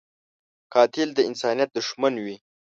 قاتل د انسانیت دښمن وي